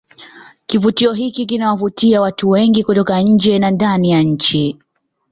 kivutio hiki kinawavutia watu wengi kutoka nje na ndani ya nchi